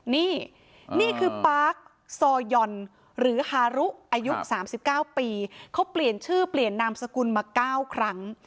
นี่นี่คือปาร์คซอยอนหรือฮารุอายุ๓๙ปีเขาเปลี่ยนชื่อเปลี่ยนนามสกุลมา๙ครั้ง